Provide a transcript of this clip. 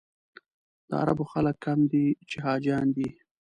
د عربو خلک کم دي چې حاجیان دي.